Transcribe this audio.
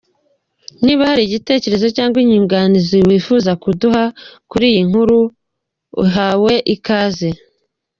Niba hari igitekerezo cyangwa inyunganizi wifuza kuduha kuri iyi nkuru uhawe ikaze.